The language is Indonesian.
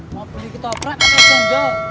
mau beli ketoprak atau tunjo